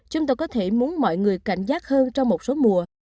chúng ta có thể muốn mọi người cảnh giác hơn trong một số mùa